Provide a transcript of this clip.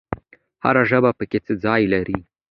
هر ژبه پکې څه ځای لري؟